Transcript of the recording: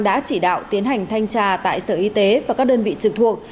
đã chỉ đạo tiến hành thanh tra tại sở y tế và các đơn vị trực thuộc